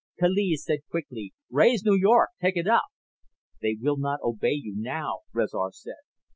Kaliz said quickly, "Raise New York! Take it up!" "They will not obey you now," Rezar said.